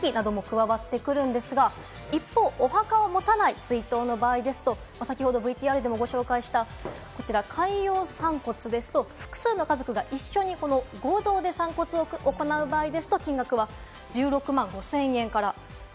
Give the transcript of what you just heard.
これに管理費なども加わってくるんですが、一方、お墓をもたない追悼の場合ですと、海洋散骨ですと複数の家族が一緒に合同で散骨を行う場合ですと、金額は１６万５０００円から。